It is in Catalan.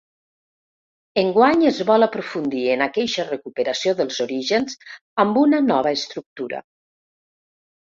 Enguany es vol aprofundir en aqueixa recuperació dels orígens amb una nova estructura.